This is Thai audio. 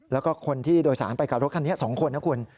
แล้วก็คนที่โดยสารไปกับรถคันนี้๒คนนะคุณ